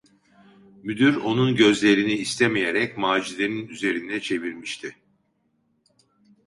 Müdür onun gözlerini, istemeyerek, Macide’nin üzerine çevirmişti.